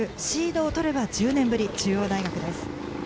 シードを取れば１０年ぶり中央大学です。